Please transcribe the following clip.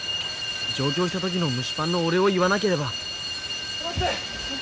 上京した時の蒸しパンのお礼を言わなければ。